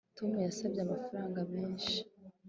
Tom yasabye amafaranga menshi